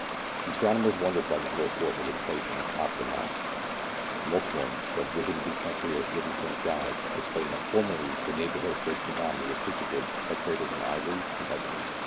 The astronomers wondered why this little fort had been placed on the top of the mountain. Mokoum, who had visited the country as Livingstone's guide, explained that formerly the neighbourhood of Lake Ngami was frequented by traders in ivory and ebony.